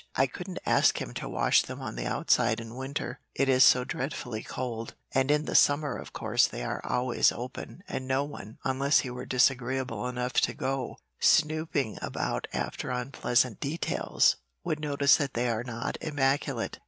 I couldn't ask him to wash them on the outside in winter, it is so dreadfully cold, and in the summer, of course, they are always open, and no one, unless he were disagreeable enough to go snooping about after unpleasant details, would notice that they are not immaculate."